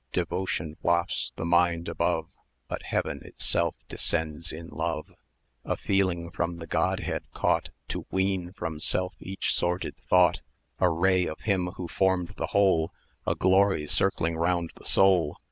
Devotion wafts the mind above, But Heaven itself descends in Love; A feeling from the Godhead caught, To wean from self each sordid thought; A ray of Him who formed the whole; A Glory circling round the soul!